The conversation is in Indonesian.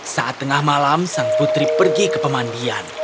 saat tengah malam sang putri pergi ke pemandian